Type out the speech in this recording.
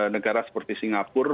negara seperti singapura